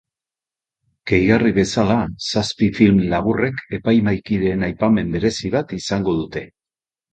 Gehigarri bezala, zazpi film laburrek, epaimahikideen aipamen berezi bat izango dute.